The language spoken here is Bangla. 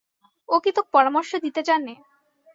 ও কি তােক পরামর্শ দিতে জানে?